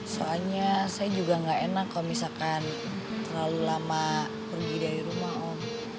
soalnya saya juga nggak enak kalau misalkan terlalu lama pergi dari rumah om